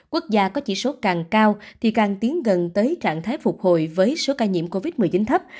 quốc gia có chỉ số càng cao thì càng tiến gần tới trạng thái phục hồi với số ca nhiễm covid một mươi chín thấp